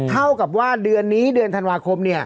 เท่ากับว่าเดือนนี้เดือนธันวาคม